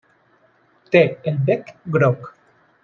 Té el bec groc.